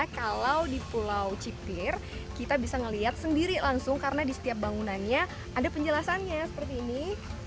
kalau di pulau cipir kita bisa melihat sendiri langsung karena di setiap bangunannya ada penjelasannya seperti ini